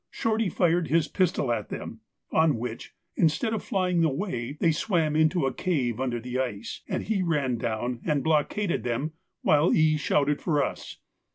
Shorty fired his pistol at them, on which, instead of flying away, they swam into a cave under the ice, and he ran down and blockaded them while E. shouted for us.